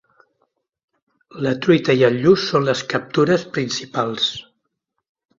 La truita i el lluç són les captures principals.